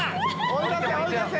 追い出せ追い出せ！